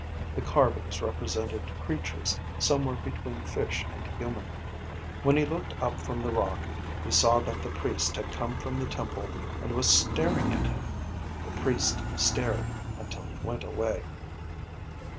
The carvings represented creatures somewhere between fish and human. When he looked up from the rock, he saw that the priest had come from the temple and was staring at him. The priest stared until he went away.